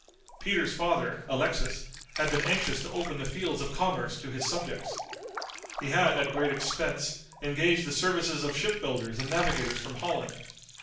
Peter's father, Alexis, had been anxious to open the fields of commerce to his subjects. He had, at great expense, engaged the services of ship builders and navigators from Holland.